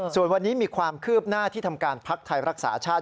ส่วนวันนี้มีความคืบหน้าที่ทำการพักไทยรักษาชาติ